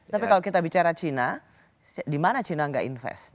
tapi kalau kita bicara china di mana china nggak invest